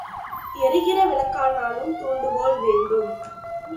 எரிகிற விளக்கானாலும் தூண்டுகோல் வேண்டும்.